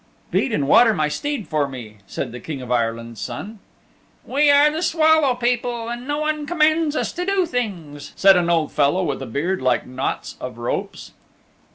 "Feed and water my steed for me," said the King of Ireland's Son. "We are the Swallow People, and no one commands us to do things," said an old fellow with a beard like knots of ropes.